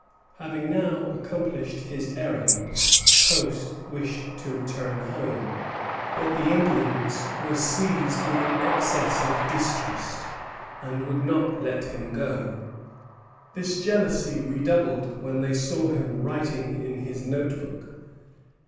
Having now accomplished his errand, Post wished to return home; but the Indians were seized with an access of distrust, and would not let him go. This jealousy redoubled when they saw him writing in his notebook.